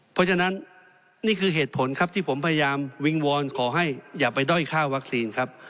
เพราะฉะนั้นนี่คือเหตุผลครับที่ผมพยายามวิงวอนขอให้อย่าไปด้อยค่าวัคซีนครับ